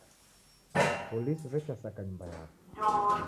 Polisi w'echasaka nyumba yapo.